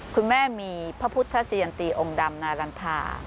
คุณแม่มีพระพุทธสยันตีองค์ดำนารันทา